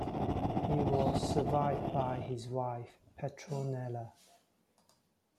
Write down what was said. He was survived by his wife Petronella.